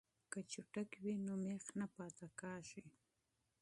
که څټک وي نو میخ نه پاتې کیږي.